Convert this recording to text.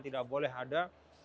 tidak boleh ada